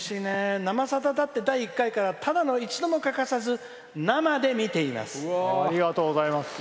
「「生さだ」だって第１回からただの一度も欠かさず生で見ています。